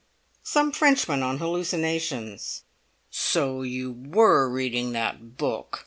"Some Frenchman on hallucinations." "So you were reading that book!"